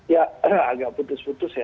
ya agak putus putus ya